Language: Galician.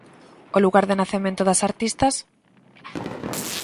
O lugar de nacemento das artistas?